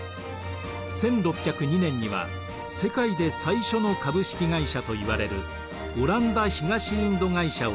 １６０２年には世界で最初の株式会社といわれるオランダ東インド会社を設立。